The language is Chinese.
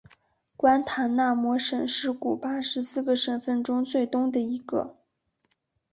关塔那摩省是古巴十四个省份中最东的一个。